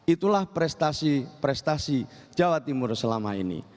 itulah prestasi prestasi jawa timur selama ini